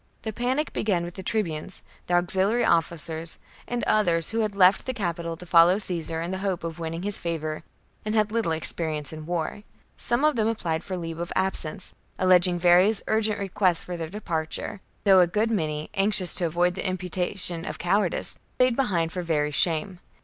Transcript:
The panic began with the tribunes, the auxiliary officers, and others who had left the capital to follow Caesar in the hope of winning his favour, and had little experience in war. Some of them applied for leave of absence, alleg ing various urgent reasons for their departure, though a good many, anxious to avoid the imputation of cowardice, stayed behind for very shame.